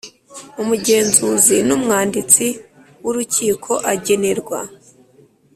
Umugenzuzi n umwanditsi w urukiko agenerwa